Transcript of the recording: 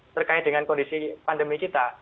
terkait dengan kondisi pandemi kita